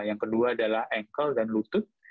yang kedua adalah engkel dan lutut